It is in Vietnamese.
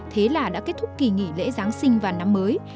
thế là đã kết thúc kỳ nghỉ lễ giáng sinh và năm mới